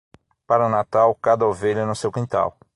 Para o Natal, cada ovelha no seu quintal.